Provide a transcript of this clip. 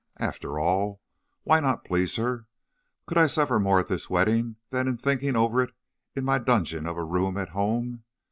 After all, why not please her? Could I suffer more at this wedding than in thinking over it in my dungeon of a room at home?